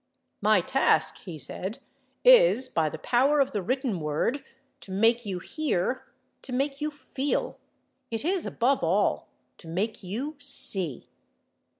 "My task," he said, "is, by the power of the written word, to make you hear, to make you feel—it is, above all, to make you see."